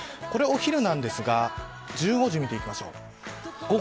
これはお昼なんですが１５時、見ていきましょう。